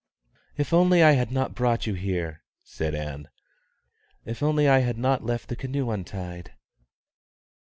"If only I had not brought you here!" said Ann. "If only I had not left the canoe untied!"